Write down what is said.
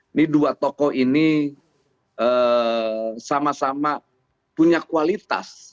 ini dua tokoh ini sama sama punya kualitas